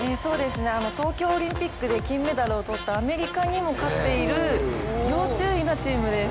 東京オリンピックで金メダルを取ったアメリカにも勝っている要注意なチームです。